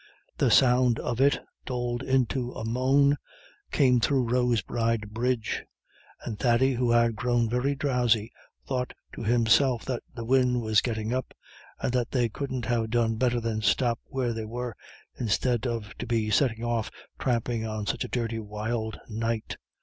The sound of it, dulled into a moan, came through Rosbride bridge, and Thady, who had grown very drowsy, thought to himself that the wind was getting up, and that they couldn't have done better than stop where they were, instead of to be setting off tramping on such a dirty wild night.